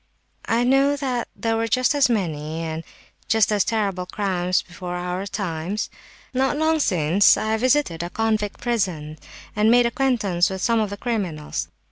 "I know that there were just as many, and just as terrible, crimes before our times. Not long since I visited a convict prison and made acquaintance with some of the criminals.